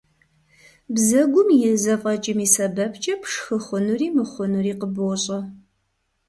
Бзэгум и зэфӀэкӀым и сэбэпкӀэ пшхы хъунури мыхъунури къыбощӀэ.